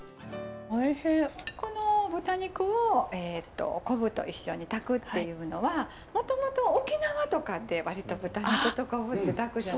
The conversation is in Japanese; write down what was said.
この豚肉を昆布と一緒に炊くというのはもともと沖縄とかって割と豚肉と昆布って炊くじゃないですか。